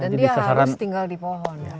dan dia harus tinggal di pohon